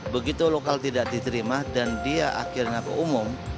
begitu lokal tidak diterima dan dia akhirnya ke umum